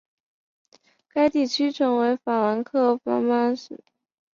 该区域成为法兰克福班荷福斯威尔德尔区的中心商业区。